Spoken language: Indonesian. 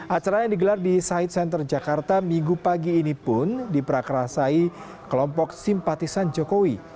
acara yang digelar di site center jakarta minggu pagi ini pun diperakrasai kelompok simpatisan jokowi